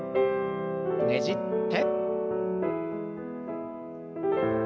ねじって。